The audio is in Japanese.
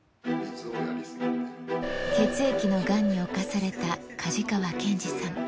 血液のがんに侵された加治川健司さん。